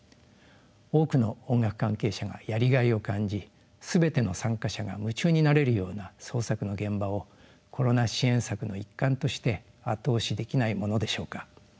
多くの音楽関係者がやりがいを感じ全ての参加者が夢中になれるような創作の現場をコロナ支援策の一環として後押しできないものでしょうか。